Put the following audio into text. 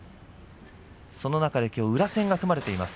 その中できょうは宇良との取組が組まれています。